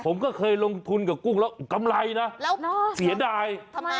ผมก็เคยลงทุนกับกุ้งแล้วกำไรนะเสียดาย